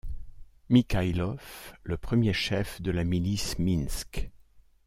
Mikhaylov, le premier chef de la milice Minsk.